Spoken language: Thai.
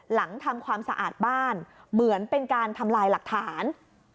หลังทำความสะอาดบ้านเหมือนเป็นการทำลายหลักฐาน